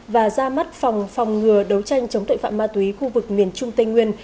và ra mắt phòng phòng ngừa đấu tranh chống tội phạm ma túy khu vực miền trung tây nguyên